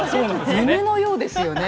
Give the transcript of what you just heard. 夢のようですよね。